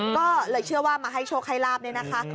ก็เลยเชื่อว่ามาให้โชคให้ลาบเนี่ยนะคะ